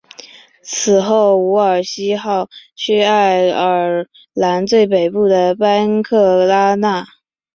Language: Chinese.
此后伍尔西号去爱尔兰最北部的班克拉纳。